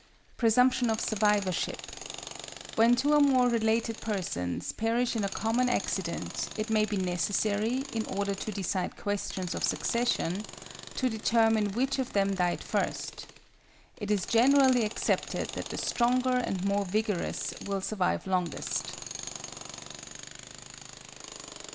=Presumption of Survivorship.= When two or more related persons perish in a common accident, it may be necessary, in order to decide questions of succession, to determine which of them died first. It is generally accepted that the stronger and more vigorous will survive longest.